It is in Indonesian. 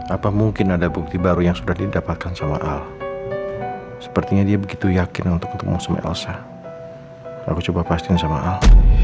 apa mungkin ada bukti baru yang sudah didapatkan sama al sepertinya dia begitu yakin untuk mengusung elsa aku coba pastiin sama al